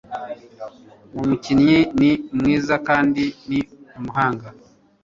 Uwo mukinnyi ni mwiza kandi ni umuhanga